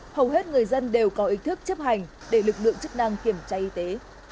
hầu hết người dân đều có ý thức chấp hành để lực lượng chức năng kiểm tra y tế